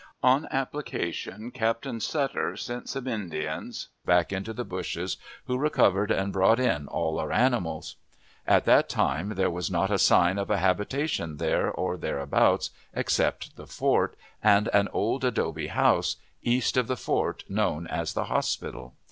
On application, Captain Butter sent some Indians back into the bushes, who recovered and brought in all our animals. At that time there was not the sign of a habitation there or thereabouts, except the fort, and an old adobe house, east of the fort, known as the hospital.